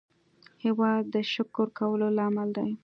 هېواد د شکر کولو لامل دی.